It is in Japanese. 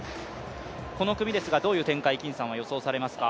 この組ですが、どういう展開を金さんは予想されますか？